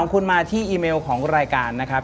คุณมาที่อีเมลของรายการนะครับ